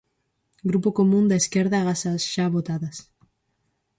Grupo Común da Esquerda agás as xa votadas.